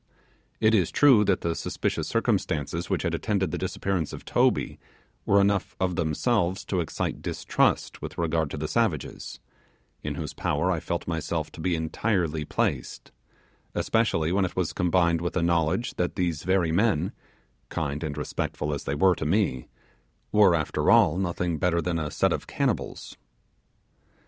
It is true that the suspicious circumstances which had attended the disappearance of Toby were enough of themselves to excite distrust with regard to the savages, in whose power I felt myself to be entirely placed, especially when it was combined with the knowledge that these very men, kind and respectful as they were to me, were, after all, nothing better than a set of cannibals.